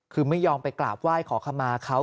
คือไม่ยอมไปกราบไหว้ขอขมาเขา